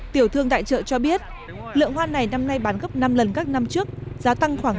tiểu thương tại chợ cho biết lượng hoa này năm nay bán gấp năm lần các năm trước giá tăng khoảng